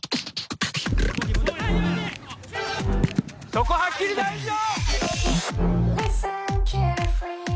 そこはっきり大事だ！